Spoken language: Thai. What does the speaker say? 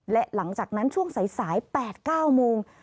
และหลังจากนั้นช่วงสายแปดเก้ามุม